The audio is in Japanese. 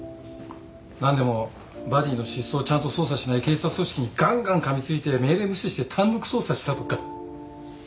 何でもバディの失踪をちゃんと捜査しない警察組織にがんがんかみついて命令無視して単独捜査したとか。